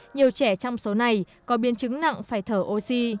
nhiều trẻ trong số này có biến chứng nặng phải thở oxy